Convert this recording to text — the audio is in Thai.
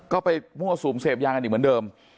ก็ไปมั่วสุมเสพยากันอีกเหมือนเดิม